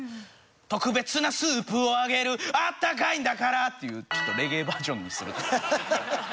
「特別なスープをあげるあったかいんだからぁ」っていうちょっとレゲエバージョンにする。